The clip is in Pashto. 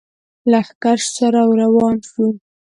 لښکرو سره روان شو.